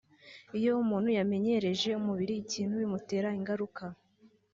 Iyo umuntu yamenyereje umubiri ikintu bimutera ingaruka